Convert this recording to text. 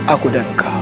aku dan kau